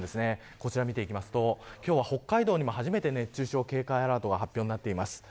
こちらを見ていきますと今日は北海道にも初めて熱中症警戒アラートが発表になってます。